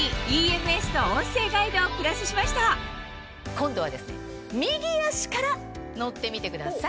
今度は右足から乗ってみてください。